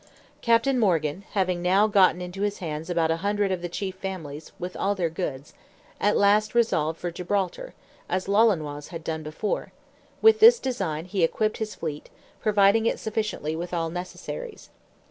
Captain Morgan having now gotten into his hands about a hundred of the chief families, with all their goods, at last resolved for Gibraltar, as Lolonois had done before: with this design he equipped his fleet, providing it sufficiently with all necessaries.